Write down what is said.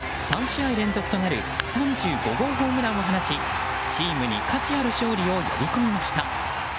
大谷翔平選手が３試合連続となる３５号ホームランを放ちチームに価値ある勝利を呼び込みました。